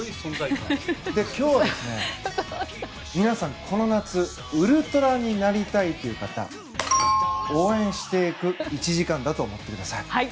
今日は、皆さんこの夏ウルトラになりたいという方応援していく１時間だと思ってください。